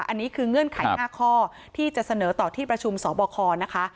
อันนี้คือเงื่อนไข๕ข้อที่จะเสนอต่อที่ประชุมสบคนะคะ